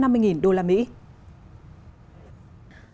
đối tượng bị bắt giữ